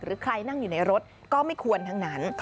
ใครนั่งอยู่ในรถก็ไม่ควรทั้งนั้น